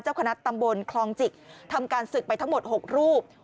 คณะตำบลคลองจิกทำการศึกไปทั้งหมด๖รูป